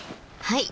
はい。